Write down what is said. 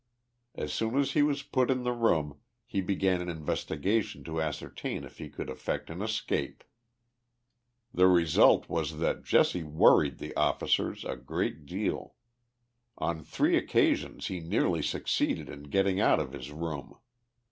As soon as he was put in the room he began an investigation to ascertain if he could effect an escape. The result was that Jesse worried the officers a great deal. On three occasions he nearly succeeded in getting out of his room.